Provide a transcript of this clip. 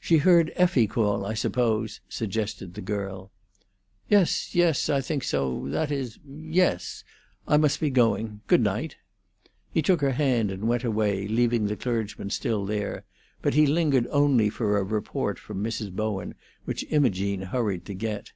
"She heard Effie call, I suppose," suggested the girl. "Yes, yes; I think so; that is—yes. I must be going. Good night." He took her hand and went away, leaving the clergyman still there; but he lingered only for a report from Mrs. Bowen, which Imogene hurried to get.